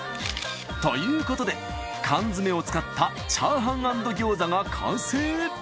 ということで缶詰を使ったチャーハン＆餃子が完成。